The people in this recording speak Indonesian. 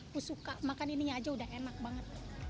aku suka makan ininya aja udah enak banget